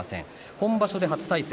本場所で初対戦。